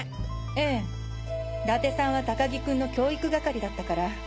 ええ伊達さんは高木君の教育係だったから。